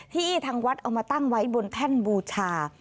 ทางวัดเอามาตั้งไว้บนแท่นบูชา